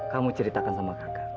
kamu ceritakan sama kakak